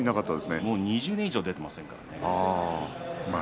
もう２０年以上出ていないですからね。